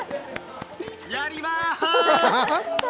やりまーす！